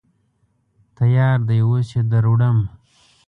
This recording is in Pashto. _تيار دی، اوس يې دروړم.